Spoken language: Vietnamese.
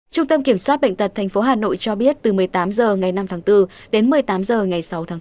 trung tâm kiểm soát bệnh tật tp hà nội cho biết từ một mươi tám h ngày năm tháng bốn đến một mươi tám h ngày sáu tháng bốn